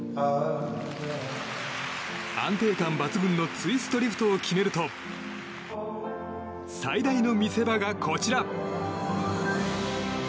安定感抜群のツイストリフトを決めると最大の見せ場が、こちら。